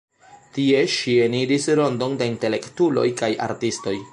Tie ŝi eniris rondon de intelektuloj kaj artistoj.